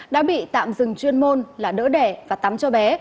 đã bị tạm dừng chuyên môn là đỡ đẻ và tắm cho bé